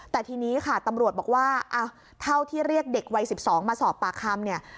แต่ทีนี้ค่ะตำรวจบอกว่าเท่าที่เรียกเด็กวัย๑๒มาสอบปากคำเนี่ย